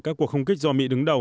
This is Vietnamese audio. các cuộc không kích do mỹ đứng đầu